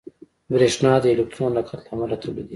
برېښنا د الکترون حرکت له امله تولیدېږي.